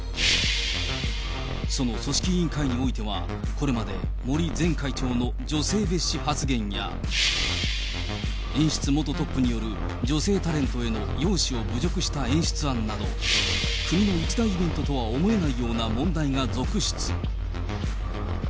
その組織委員会においてはこれまで森前会長の女性蔑視発言や、演出元トップによる女性タレントへの容姿を侮辱した演出案など、国の一大イベントとは思えないような問題が続出。